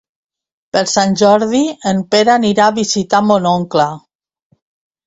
Per Sant Jordi en Pere anirà a visitar mon oncle.